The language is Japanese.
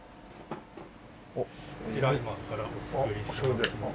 こちら今からお作りしますので。